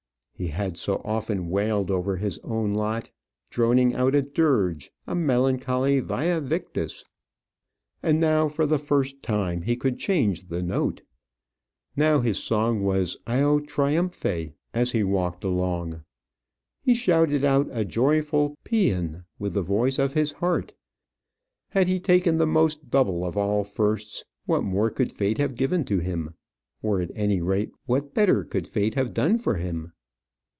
He had so often wailed over his own lot, droning out a dirge, a melancholy væ victis for himself! And now, for the first time, he could change the note. Now, his song was Io triumphe, as he walked along. He shouted out a joyful pæan with the voice of his heart. Had he taken the most double of all firsts, what more could fate have given to him? or, at any rate, what better could fate have done for him?